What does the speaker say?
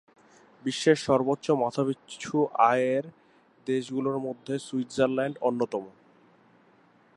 বিশ্বের সর্বোচ্চ মাথা-পিছু আয়ের দেশগুলোর মধ্যে সুইজারল্যান্ড অন্যতম।